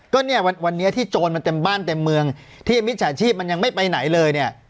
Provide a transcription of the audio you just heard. ก็เนี่ยวันนี้ที่โจรมันเต็มบ้านเต็มเมืองที่มิจฉาชีพมันยังไม่ไปไหนเลยเนี่ย